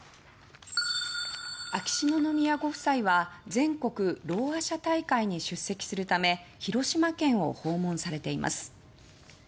秋篠宮ご夫妻は全国ろうあ者大会に出席するため広島県を訪問されています。